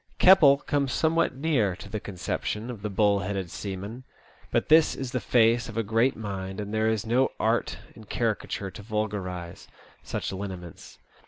Keppel comes somewhat near to the conception of the bull headed seaman ; but his is the face of a great mind, and there is no art in caricature to vulgarize such lineaments.